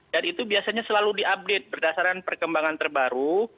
dan itu biasanya selalu diupdate berdasarkan perkembangan terbaru